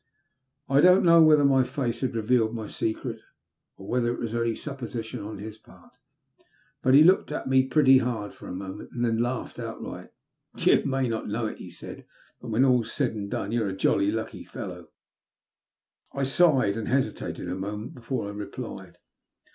I don't know whether my face had revealed my secret, or whether it was only supposition on his part, but he looked at me pretty hard for a moment, and then laughed outright. '' Tou may not know it," he said, " but when all's said and done, you're a jolly lucky fellow." I sighed, and hesitated a moment before I replied.